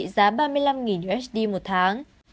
trị giá ba mươi năm usd một tháng